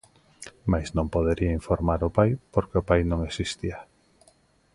Mais non podería informar o pai porque o pai non existía.